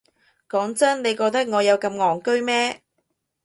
講真，你覺得我有咁戇居咩？